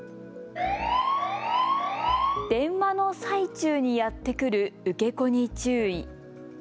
電話の最中にやって来る受け子に注意。